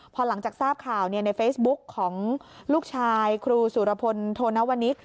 พอหลังจากทราบข่าวในเฟซบุ๊กของลูกชายครูสุรพลโทนวนิก